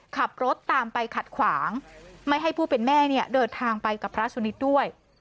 ขับรถตามไปขัดขวางไม่ให้ผู้เป็นแม่เนี่ยเดินทางไปกับพระสุนิทด้วย